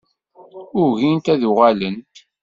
Ugint ad d-uɣalent.